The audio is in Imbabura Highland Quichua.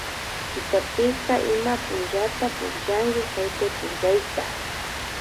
Quitopika ima punllata pukllanki haytaypukllayta